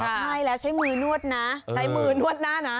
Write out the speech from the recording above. ใช่แล้วใช้มือนวดนะใช้มือนวดหน้านะ